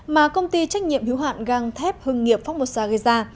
mà công ty trách nhiệm hiếu hoạn găng thép hưng nghiệp phongmosa gây ra